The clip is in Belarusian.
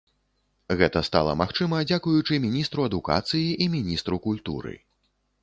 Гэта стала магчыма дзякуючы міністру адукацыі і міністру культуры.